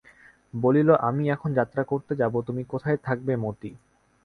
বলিল, আমি এখন যাত্রা করতে যাব, তুমি কোথায় থাকবে মতি?